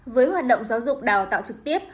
với hoạt động giáo dục đào tạo trực tiếp